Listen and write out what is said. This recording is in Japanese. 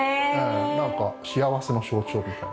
なんか、幸せの象徴みたいな。